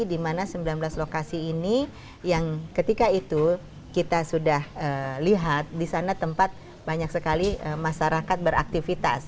karena sembilan belas lokasi ini yang ketika itu kita sudah lihat disana tempat banyak sekali masyarakat beraktifitas